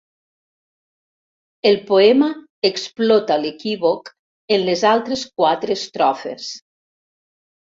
El poema explota l'equívoc en les altres quatre estrofes.